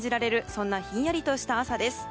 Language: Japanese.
そんな、ひんやりとした朝です。